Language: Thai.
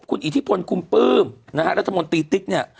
คุณอิทธิพลคุมปลื้มนะฮะรัฐมนตรีติ๊กเนี่ย